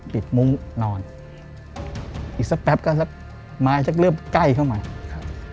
ปิดมุ้งนอนอีกสักแป๊บก็จะม้ายักษ์เริ่มใกล้เข้ามาครับ